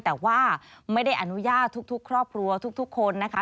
แต่ว่าไม่ได้อนุญาตทุกครอบครัวทุกคนนะคะ